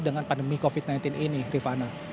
dengan pandemi covid sembilan belas ini rifana